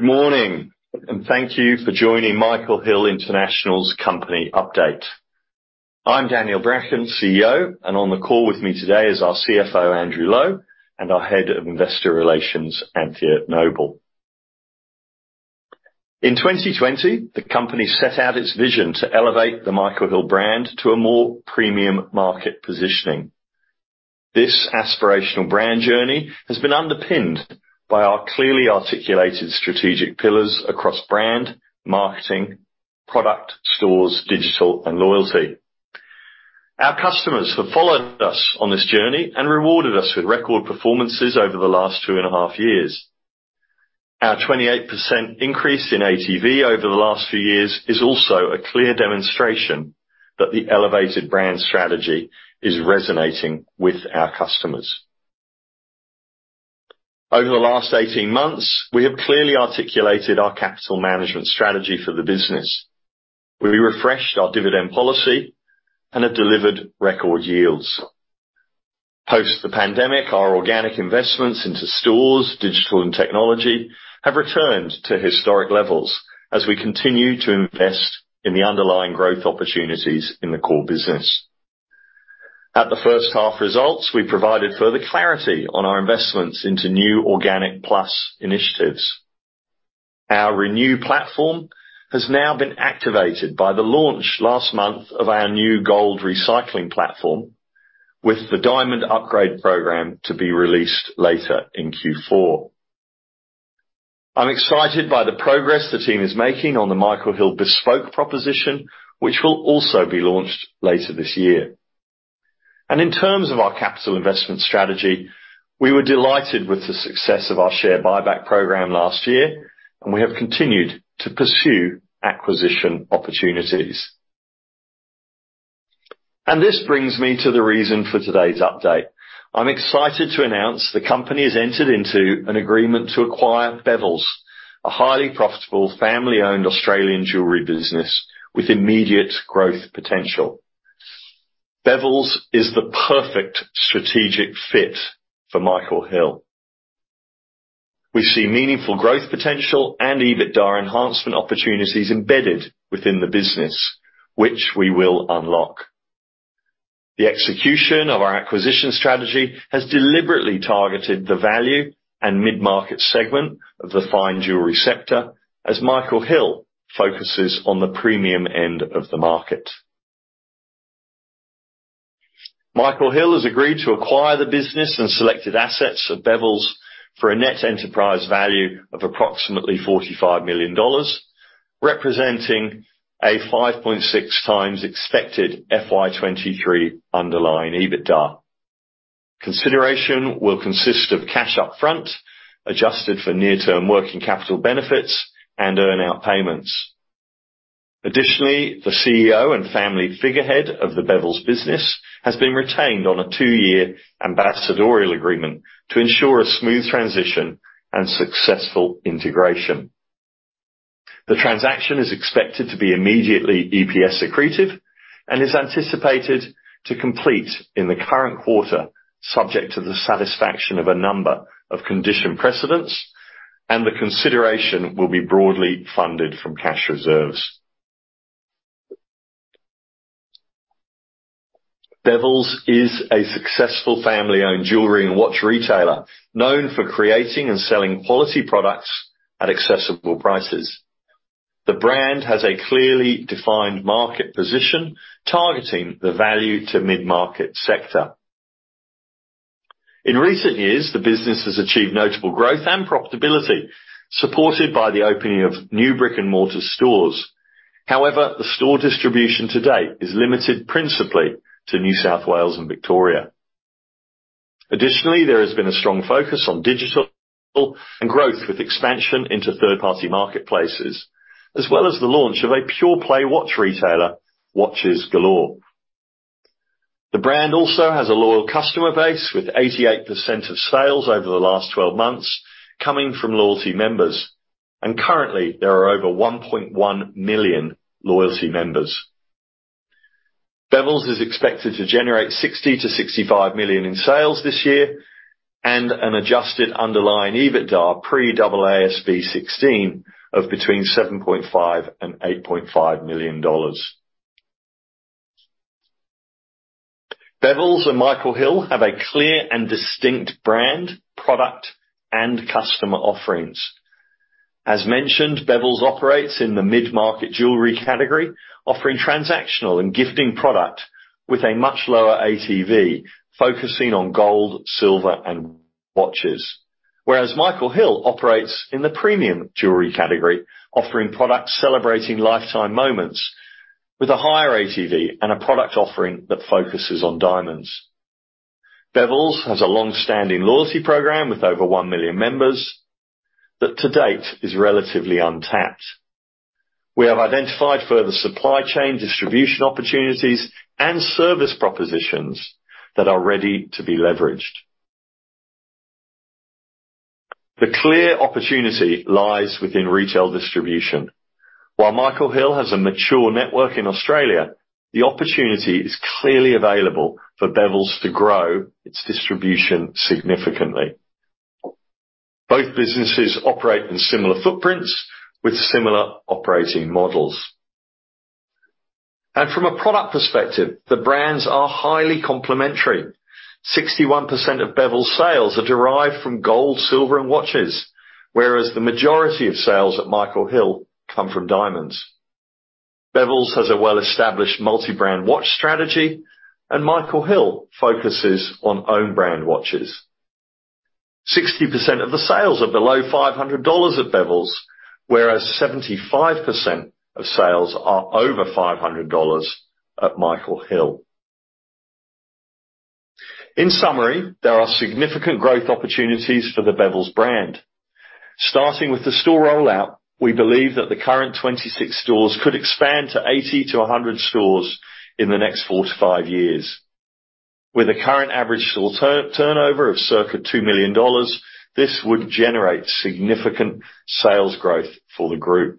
Good morning, and thank you for joining Michael Hill International's company update. I'm Daniel Bracken, CEO, and on the call with me today is our CFO, Andrew Lowe, and our Head of Investor Relations, Anthea Noble. In 2020, the company set out its vision to elevate the Michael Hill brand to a more premium market positioning. This aspirational brand journey has been underpinned by our clearly articulated strategic pillars across brand, marketing, product, stores, digital, and loyalty. Our customers have followed us on this journey and rewarded us with record performances over the last 2 and a half years. Our 28% increase in ATV over the last few years is also a clear demonstration that the elevated brand strategy is resonating with our customers. Over the last 18 months, we have clearly articulated our capital management strategy for the business. We refreshed our dividend policy and have delivered record yields. Post the pandemic, our organic investments into stores, digital and technology have returned to historic levels as we continue to invest in the underlying growth opportunities in the core business. At the first half results, we provided further clarity on our investments into new organic plus initiatives. Our renew platform has now been activated by the launch last month of our new gold recycling platform, with the diamond upgrade program to be released later in Q4. I'm excited by the progress the team is making on the Michael Hill bespoke proposition, which will also be launched later this year. In terms of our capital investment strategy, we were delighted with the success of our share buyback program last year, and we have continued to pursue acquisition opportunities. This brings me to the reason for today's update. I'm excited to announce the company has entered into an agreement to acquire Bevilles, a highly profitable family-owned Australian jewelry business with immediate growth potential. Bevilles is the perfect strategic fit for Michael Hill. We see meaningful growth potential and EBITDA enhancement opportunities embedded within the business, which we will unlock. The execution of our acquisition strategy has deliberately targeted the value and mid-market segment of the fine jewelry sector as Michael Hill focuses on the premium end of the market. Michael Hill has agreed to acquire the business and selected assets of Bevilles for a net enterprise value of approximately 45 million dollars, representing a 5.6x expected FY23 underlying EBITDA. Consideration will consist of cash upfront, adjusted for near-term working capital benefits and earn out payments. The CEO and family figurehead of the Bevilles business has been retained on a two-year ambassadorial agreement to ensure a smooth transition and successful integration. The transaction is expected to be immediately EPS accretive and is anticipated to complete in the current quarter, subject to the satisfaction of a number of condition precedents, and the consideration will be broadly funded from cash reserves. Bevilles is a successful family-owned jewelry and watch retailer, known for creating and selling quality products at accessible prices. The brand has a clearly defined market position, targeting the value to mid-market sector. In recent years, the business has achieved notable growth and profitability, supported by the opening of new brick-and-mortar stores. However, the store distribution to date is limited principally to New South Wales and Victoria. Additionally, there has been a strong focus on digital and growth with expansion into third-party marketplaces, as well as the launch of a pure play watch retailer, Watches Galore. The brand also has a loyal customer base with 88% of sales over the last 12 months coming from loyalty members, and currently there are over 1.1 million loyalty members. Bevilles is expected to generate 60 million-65 million in sales this year and an adjusted underlying EBITDA pre-AASB 16 of between 7.5 million and 8.5 million dollars. Bevilles and Michael Hill have a clear and distinct brand, product, and customer offerings. As mentioned, Bevilles operates in the mid-market jewelry category, offering transactional and gifting product with a much lower ATV, focusing on gold, silver, and watches. Whereas Michael Hill operates in the premium jewelry category, offering products celebrating lifetime moments with a higher ATV and a product offering that focuses on diamonds. Bevilles has a long-standing loyalty program with over 1 million members that to date is relatively untapped. We have identified further supply chain distribution opportunities and service propositions that are ready to be leveraged. The clear opportunity lies within retail distribution. While Michael Hill has a mature network in Australia, the opportunity is clearly available for Bevilles to grow its distribution significantly. Both businesses operate in similar footprints with similar operating models. From a product perspective, the brands are highly complementary. 61% of Bevilles sales are derived from gold, silver, and watches, whereas the majority of sales at Michael Hill come from diamonds. Bevilles has a well-established multi-brand watch strategy, and Michael Hill focuses on own brand watches. 60% of the sales are below $500 at Bevilles, whereas 75% of sales are over $500 at Michael Hill. In summary, there are significant growth opportunities for the Bevilles brand. Starting with the store rollout, we believe that the current 26 stores could expand to 80-100 stores in the next 4-5 years. With a current average sale turn, turnover of circa $2 million, this would generate significant sales growth for the group.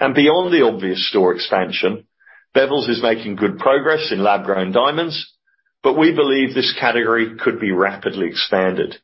Beyond the obvious store expansion, Bevilles is making good progress in lab-grown diamonds, but we believe this category could be rapidly expanded.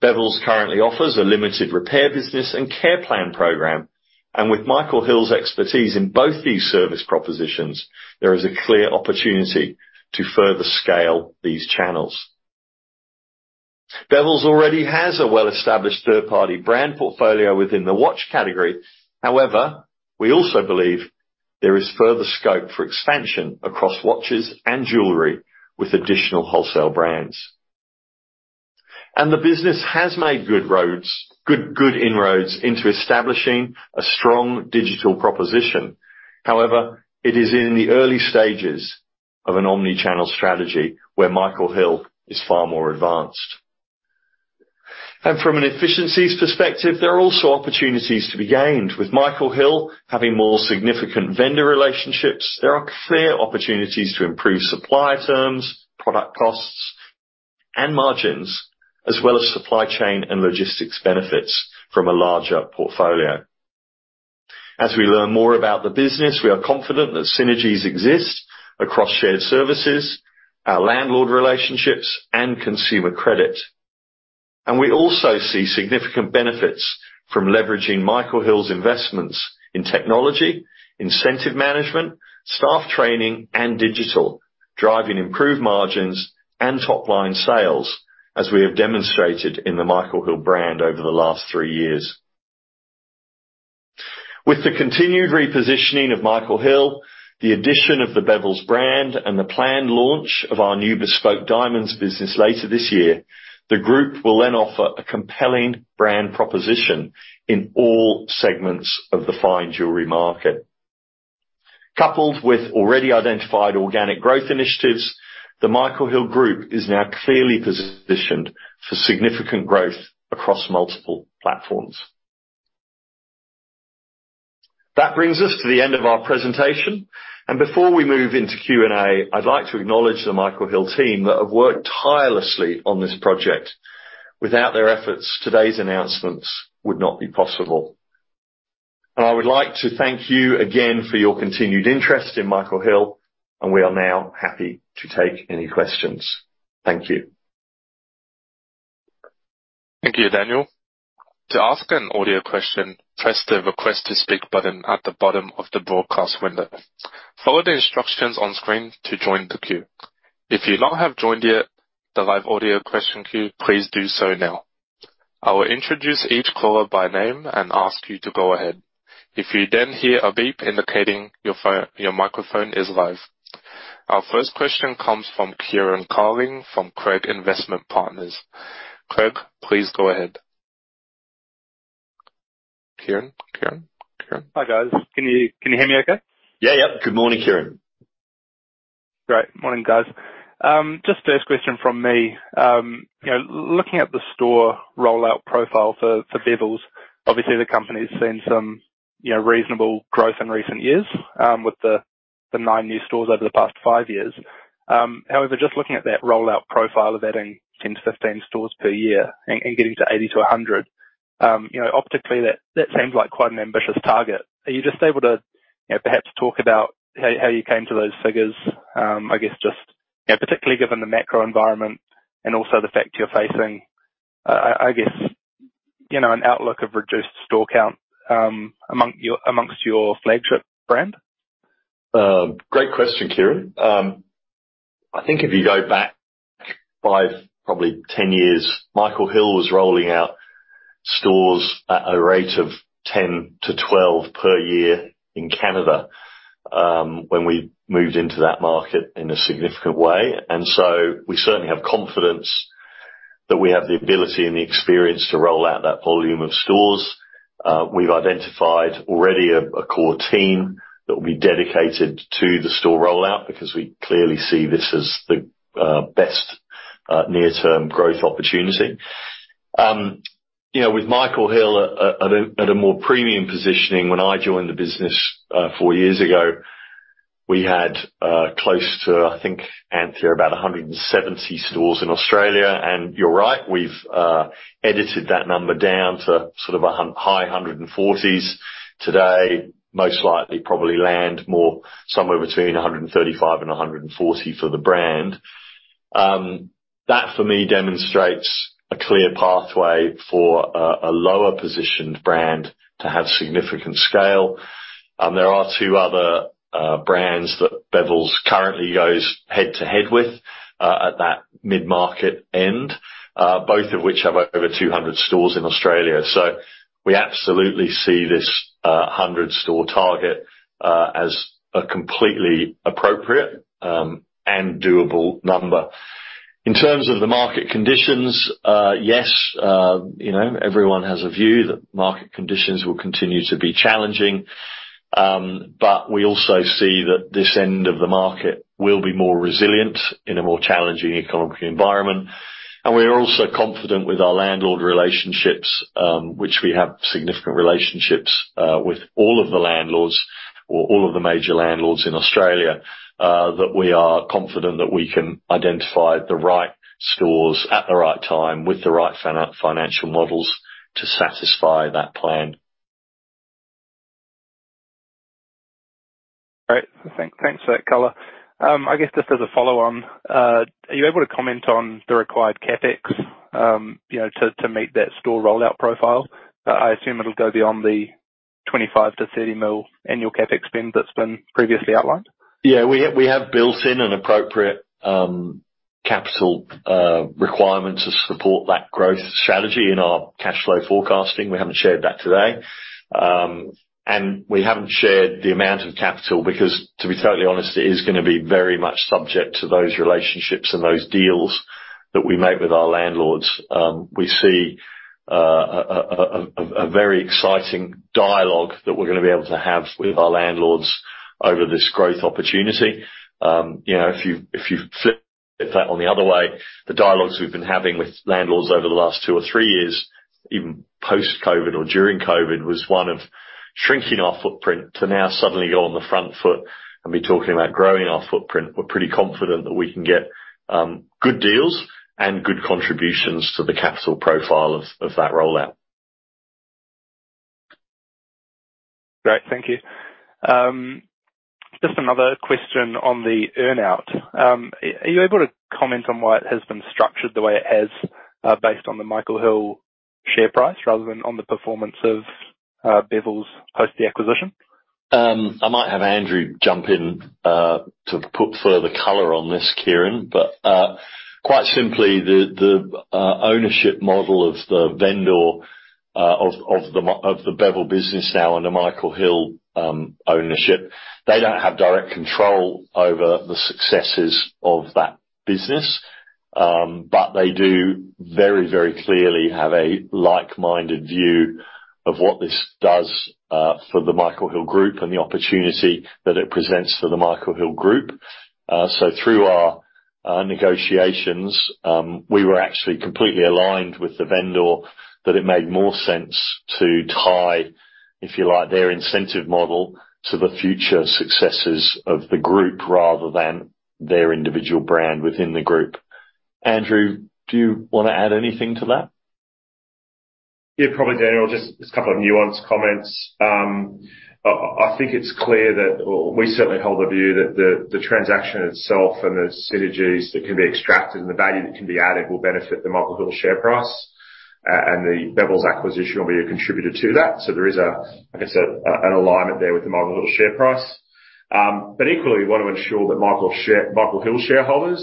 Bevilles currently offers a limited repair business and care plan program, and with Michael Hill's expertise in both these service propositions, there is a clear opportunity to further scale these channels. Bevilles already has a well-established third-party brand portfolio within the watch category. However, we also believe there is further scope for expansion across watches and jewelry with additional wholesale brands. The business has made good roads, good inroads into establishing a strong digital proposition. However, it is in the early stages of an omni-channel strategy where Michael Hill is far more advanced. From an efficiencies perspective, there are also opportunities to be gained. With Michael Hill having more significant vendor relationships, there are clear opportunities to improve supply terms, product costs, and margins, as well as supply chain and logistics benefits from a larger portfolio. As we learn more about the business, we are confident that synergies exist across shared services, our landlord relationships, and consumer credit. We also see significant benefits from leveraging Michael Hill's investments in technology, incentive management, staff training, and digital, driving improved margins and top-line sales, as we have demonstrated in the Michael Hill brand over the last three years. With the continued repositioning of Michael Hill, the addition of the Bevilles brand, and the planned launch of our new bespoke diamonds business later this year, the group will then offer a compelling brand proposition in all segments of the fine jewelry market. Coupled with already identified organic growth initiatives, the Michael Hill Group is now clearly positioned for significant growth across multiple platforms. That brings us to the end of our presentation. Before we move into Q&A, I'd like to acknowledge the Michael Hill team that have worked tirelessly on this project. Without their efforts, today's announcements would not be possible. I would like to thank you again for your continued interest in Michael Hill, and we are now happy to take any questions. Thank you. Thank you, Daniel. To ask an audio question, press the Request to Speak button at the bottom of the broadcast window. Follow the instructions on screen to join the queue. If you not have joined yet the live audio question queue, please do so now. I will introduce each caller by name and ask you to go ahead. If you then hear a beep indicating your microphone is live. Our first question comes from Kieran Carling from Craigs Investment Partners. Craig, please go ahead. Kieran? Hi, guys. Can you hear me okay? Yeah. Yep. Good morning, Kieran. Great. Morning, guys. Just first question from me. You know, looking at the store rollout profile for Bevilles, obviously, the company's seen some, you know, reasonable growth in recent years, with the 9 new stores over the past 5 years. However, just looking at that rollout profile of adding 10-15 stores per year and getting to 80-100, you know, optically that seems like quite an ambitious target. Are you just able to, you know, perhaps talk about how you came to those figures? I guess just, you know, particularly given the macro environment and also the fact you're facing, I guess, you know, an outlook of reduced store count amongst your flagship brand. Great question, Kieran. I think if you go back 5, probably 10 years, Michael Hill was rolling out stores at a rate of 10 to 12 per year in Canada, when we moved into that market in a significant way. We certainly have confidence that we have the ability and the experience to roll out that volume of stores. We've identified already a core team that will be dedicated to the store rollout because we clearly see this as the best near-term growth opportunity. you know, with Michael Hill at a more premium positioning, when I joined the business 4 years ago. We had close to, I think, Anthea, about 170 stores in Australia. You're right, we've edited that number down to sort of a high 140s. Today, most likely probably land more somewhere between 135 and 140 for the brand. That for me demonstrates a clear pathway for a lower positioned brand to have significant scale. There are two other brands that Bevilles currently goes head-to-head with at that mid-market end, both of which have over 200 stores in Australia. We absolutely see this 100 store target as a completely appropriate and doable number. In terms of the market conditions, yes, you know, everyone has a view that market conditions will continue to be challenging. We also see that this end of the market will be more resilient in a more challenging economic environment. We are also confident with our landlord relationships, which we have significant relationships with all of the landlords or all of the major landlords in Australia, that we are confident that we can identify the right stores at the right time with the right financial models to satisfy that plan. Great. Thanks for that color. I guess just as a follow-on, are you able to comment on the required CapEx, you know, to meet that store rollout profile? I assume it'll go beyond the 25 million-30 million annual CapEx spend that's been previously outlined. Yeah, we have built in an appropriate capital requirement to support that growth strategy in our cash flow forecasting. We haven't shared that today. We haven't shared the amount of capital because, to be totally honest, it is gonna be very much subject to those relationships and those deals that we make with our landlords. We see a very exciting dialogue that we're gonna be able to have with our landlords over this growth opportunity. You know, if you, if you flip that on the other way, the dialogues we've been having with landlords over the last two or three years, even post-COVID or during COVID, was one of shrinking our footprint to now suddenly go on the front foot and be talking about growing our footprint. We're pretty confident that we can get, good deals and good contributions to the capital profile of that rollout. Great. Thank you. Just another question on the earn-out. Are you able to comment on why it has been structured the way it has, based on the Michael Hill share price rather than on the performance of, Bevilles post the acquisition? I might have Andrew jump in to put further color on this, Kieran. Quite simply, the ownership model of the vendor of the Bevilles business now under Michael Hill ownership, they don't have direct control over the successes of that business. They do very, very clearly have a like-minded view of what this does for the Michael Hill Group and the opportunity that it presents for the Michael Hill Group. Through our negotiations, we were actually completely aligned with the vendor that it made more sense to tie, if you like, their incentive model to the future successes of the group rather than their individual brand within the group. Andrew, do you wanna add anything to that? Yeah, probably, Daniel, just a couple of nuanced comments. I think it's clear or we certainly hold the view that the transaction itself and the synergies that can be extracted and the value that can be added will benefit the Michael Hill share price, and the Bevilles acquisition will be a contributor to that. There is a, I guess, an alignment there with the Michael Hill share price. Equally, we want to ensure that Michael Hill shareholders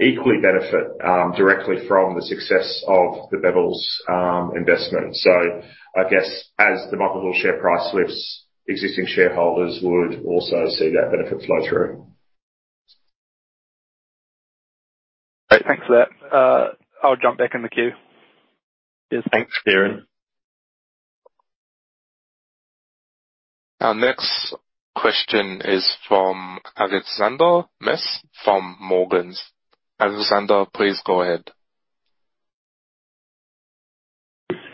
equally benefit directly from the success of the Bevilles investment. I guess as the Michael Hill share price lifts, existing shareholders would also see that benefit flow through. Great. Thanks for that. I'll jump back in the queue. Thanks, Kieran. Our next question is from Alexander Mees from Morgans. Alexander, please go ahead.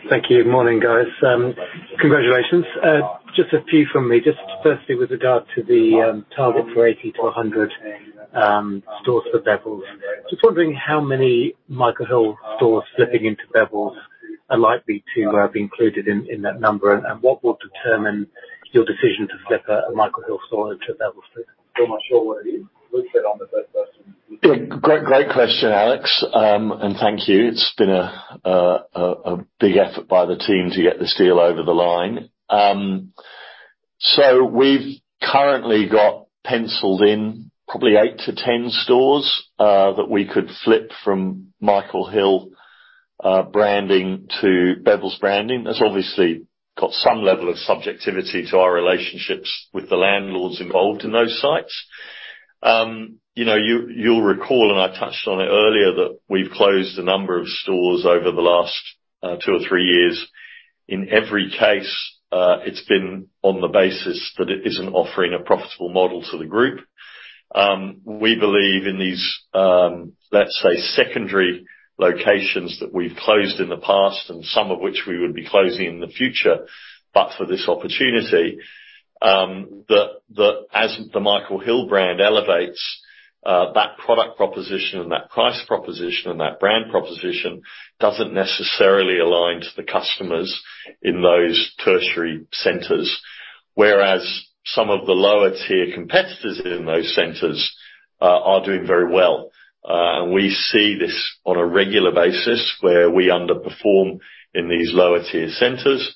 Thank you. Morning, guys. Congratulations. Just a few from me. Just firstly, with regard to the target for 80-100 stores for Bevilles. Just wondering how many Michael Hill stores flipping into Bevilles are likely to be included in that number? What will determine your decision to flip a Michael Hill store into a Bevilles store? Great question, Alex. Thank you. It's been a big effort by the team to get this deal over the line. We've currently got penciled in probably 8-10 stores that we could flip from Michael Hill branding to Bevilles branding. That's obviously got some level of subjectivity to our relationships with the landlords involved in those sites. You know, you'll recall, and I touched on it earlier, that we've closed a number of stores over the last two or three years. In every case, it's been on the basis that it isn't offering a profitable model to the group. We believe in these, let's say secondary locations that we've closed in the past, and some of which we would be closing in the future, but for this opportunity, the... as the Michael Hill brand elevates, that product proposition and that price proposition and that brand proposition doesn't necessarily align to the customers in those tertiary centers. Whereas some of the lower tier competitors in those centers are doing very well. We see this on a regular basis where we underperform in these lower tier centers,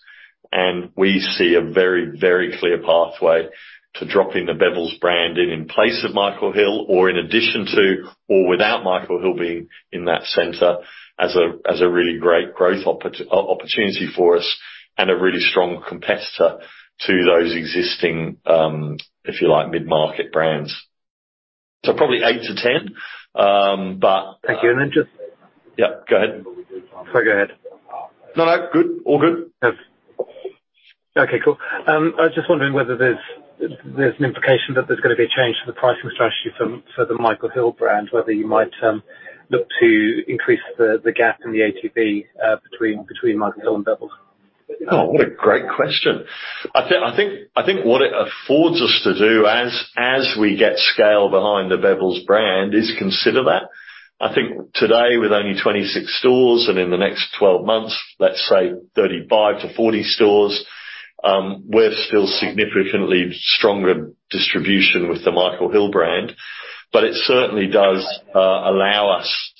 and we see a very clear pathway to dropping the Bevilles brand in place of Michael Hill or in addition to or without Michael Hill being in that center as a really great growth opportunity for us and a really strong competitor to those existing, if you like, mid-market brands. Probably 8 to 10, but Thank you. Yeah, go ahead. Sorry, go ahead. No, no. Good. All good. Yes. Okay, cool. I was just wondering whether there's an implication that there's gonna be a change to the pricing strategy for the Michael Hill brand, whether you might look to increase the gap in the ATP between Michael Hill and Bevilles. Oh, what a great question. I think what it affords us to do as we get scale behind the Bevilles brand is consider that. I think today with only 26 stores and in the next 12 months, let's say 35 to 40 stores, we're still significantly stronger distribution with the Michael Hill brand, but it certainly does allow us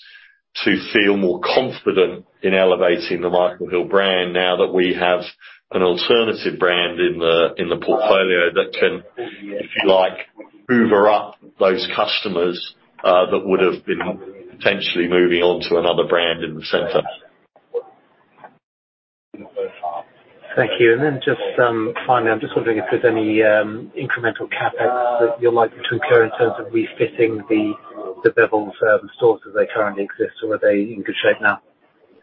to feel more confident in elevating the Michael Hill brand now that we have an alternative brand in the portfolio that can, if you like, hoover up those customers that would have been potentially moving on to another brand in the center. Thank you. Just finally, I'm just wondering if there's any incremental CapEx that you're likely to incur in terms of refitting the Bevilles stores as they currently exist, or are they in good shape now?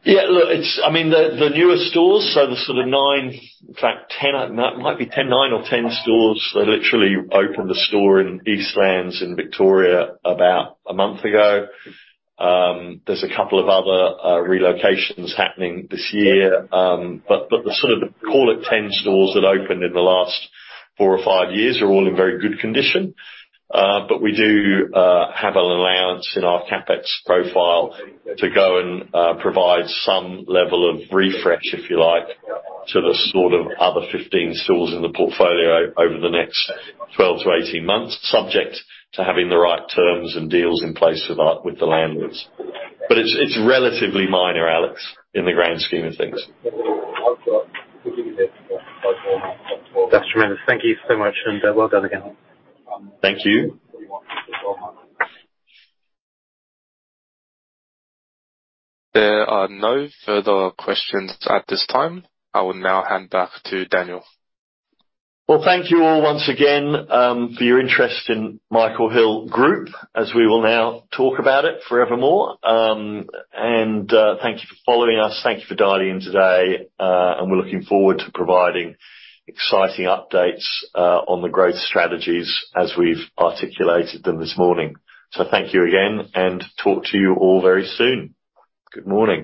Look, I mean, the newer stores, so the sort of 9, in fact 10, it might be 10, 9 or 10 stores that literally opened a store in Eastland in Victoria about a month ago. There's a couple of other relocations happening this year. The sort of call it 10 stores that opened in the last 4 or 5 years are all in very good condition. We do have an allowance in our CapEx profile to go and provide some level of refresh, if you like, to the sort of other 15 stores in the portfolio over the next 12 to 18 months, subject to having the right terms and deals in place with the landlords. It's relatively minor, Alex, in the grand scheme of things. That's tremendous. Thank you so much and well done again. Thank you. There are no further questions at this time. I will now hand back to Daniel. Well, thank you all once again, for your interest in Michael Hill Group as we will now talk about it forevermore. Thank you for following us. Thank you for dialing in today, and we're looking forward to providing exciting updates, on the growth strategies as we've articulated them this morning. Thank you again and talk to you all very soon. Good morning.